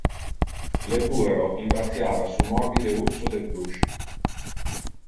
Le puero imbraciava su morbide urso de pluche.